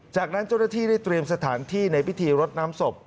จากนั้นเจ้าหน้าที่ได้เตรียมสถานที่ในพิธีรดน้ำศพ